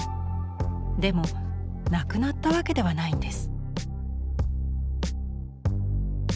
でもなくなったわけではないんです。